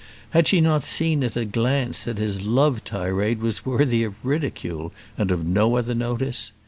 Had she not seen at a glance that his love tirade was worthy of ridicule, and of no other notice?